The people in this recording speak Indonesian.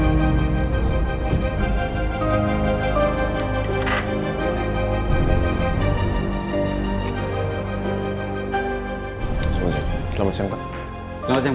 assalamualaikum warahmatullahi wabarakatuh